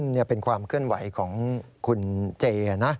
นี่เป็นความเคลื่อนไหวของคุณเจนะ